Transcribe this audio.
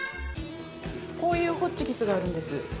こういうホチキスがあるんです。